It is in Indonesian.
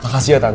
makasih ya tante